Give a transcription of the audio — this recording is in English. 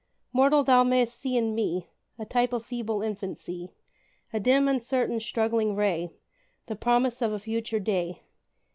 Mortal! thou mayst see in me A type of feeble infancy, A dim, uncertain, struggling ray, The promise of a future day!